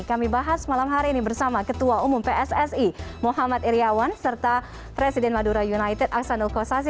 kami bahas malam hari ini bersama ketua umum pssi muhammad iryawan serta presiden madura united aksanul kossasi